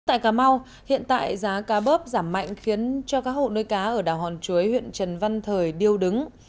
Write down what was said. tại cà mau hiện tại giá cá bớp giảm mạnh khiến cho các hộ nuôi cá ở đảo hòn chuối huyện trần văn thời điêu đứng